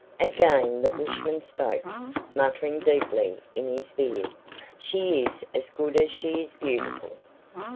Again the bushman spoke, muttering deeply in his beard: "She is as good as she is beautiful."